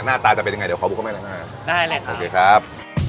หน้าตาจะเป็นยังไงเดี๋ยวขอบุกเข้าไปเลยนะฮะได้เลยค่ะโอเคครับ